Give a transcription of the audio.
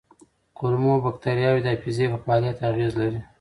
کولمو بکتریاوې د حافظې په فعالیت اغېز لري.